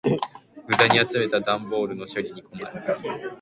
無駄に集めた段ボールの処理に困る。